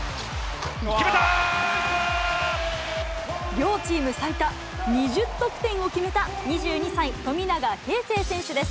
両チーム最多２０得点を決めた２２歳、富永啓生選手です。